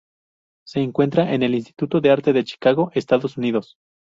Se encuentra en el Instituto de Arte de Chicago, Estados Unidos.